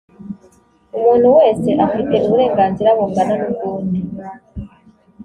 umuntu wese afite uburenganzira bungana nubwundi